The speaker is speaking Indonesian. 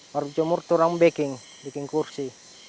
baru jemur turang baking bikin kursi